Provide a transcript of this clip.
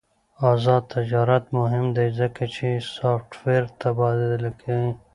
آزاد تجارت مهم دی ځکه چې سافټویر تبادله کوي.